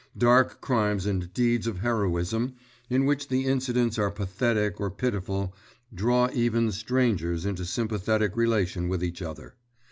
Dark crimes and deeds of heroism, in which the incidents are pathetic or pitiful, draw even strangers into sympathetic relation with each other.